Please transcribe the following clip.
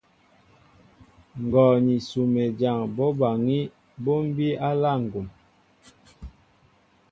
Ngɔ ni Sumedyaŋ bɔ́ baŋí , ó bíy á aláá ŋgum.